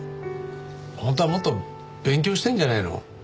本当はもっと勉強したいんじゃないの？